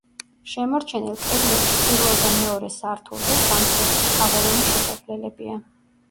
შემორჩენილ კედლებში, პირველ და მეორე სართულზე, სამხრეთით თაღოვანი შესასვლელებია.